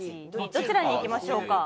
どちらに行きましょうか？